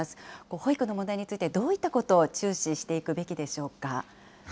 保育の問題についてどういったことを注視していくべきでしょうか。